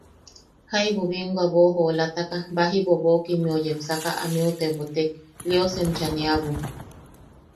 Jaibu binwa boʼojoolataka baji bobokimmeu yepsaka ameu tebotek: –Lios enchaniabu.